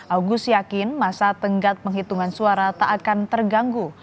augus yakin masa tenggat penghitungan suara tak akan terganggu